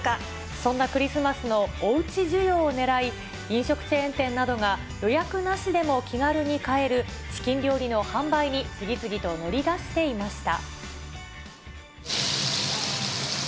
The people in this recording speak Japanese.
そんなクリスマスのおうち需要を狙い、飲食チェーン店などが、予約なしでも気軽に買える、チキン料理の販売に、次々と乗り出していました。